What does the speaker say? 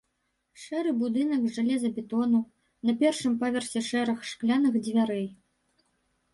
Шэры будынак з жалезабетону, на першым паверсе шэраг шкляных дзвярэй.